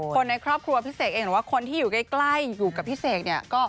คนในครอบครัวพี่เสกเองหรือว่าคนที่อยู่ใกล้อยู่กับพี่เสกเนี่ย